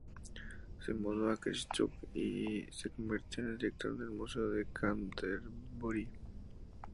Se mudó a Christchurch y se convirtió en director del Museo de Canterbury.